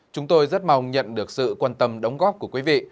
chúng tôi rất mong nhận được sự quan tâm đóng góp của quý vị